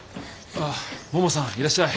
ああももさんいらっしゃい。